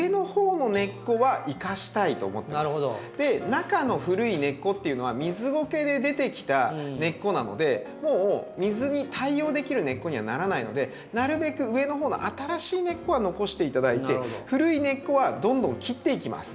中の古い根っこっていうのは水ゴケで出てきた根っこなのでもう水に対応できる根っこにはならないのでなるべく上の方の新しい根っこは残して頂いて古い根っこはどんどん切っていきます。